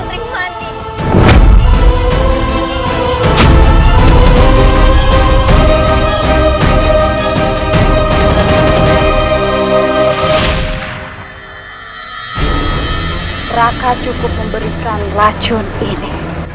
mereka cukup memberikan racun ini